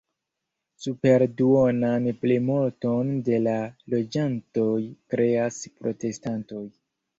Superduonan plimulton de la loĝantoj kreas protestantoj.